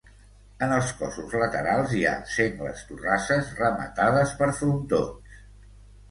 En els cossos laterals hi ha sengles torrasses rematades per frontons.